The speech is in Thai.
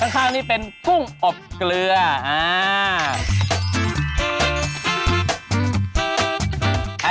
ข้างนี้เป็นกุ้งอบเกลืออ่า